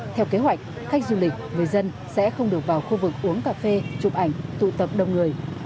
theo kế hoạch khách du lịch người dân sẽ không được vào khu vực uống cà phê chụp ảnh tụ tập đông người